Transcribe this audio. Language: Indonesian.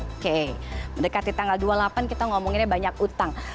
oke mendekati tanggal dua puluh delapan kita ngomonginnya banyak utang